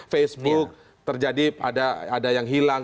facebook terjadi ada yang hilang